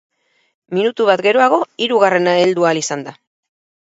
Minutu bat geroago hirugarrena heldu ahal izan da.